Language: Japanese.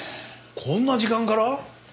こんな時間から？